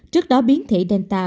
trước đó biến thể delta